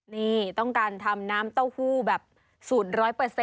นี่ต้องการทำน้ำเต้าหู้แบบสูตร๑๐๐